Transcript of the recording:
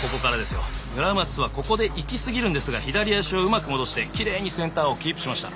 村松はここで行き過ぎるんですが左足をうまく戻してきれいにセンターをキープしました。